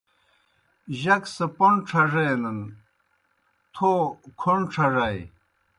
جک سہ پوْن ڇھڙینَن، تھو کھوْݨ ڇھڙَئے